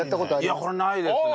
いやこれないですね。